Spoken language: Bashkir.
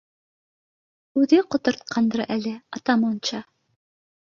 — Үҙе ҡотортҡандыр әле, атаманша!